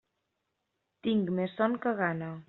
Tinc més son que gana.